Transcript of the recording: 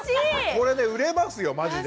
これね売れますよマジで。